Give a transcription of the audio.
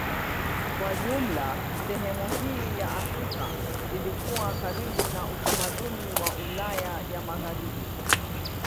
Kwa jumla sehemu hii ya Afrika ilikuwa karibu na utamaduni wa Ulaya ya Magharibi.